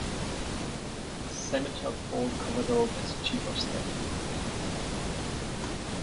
Senator Paul Coverdell as Chief of Staff.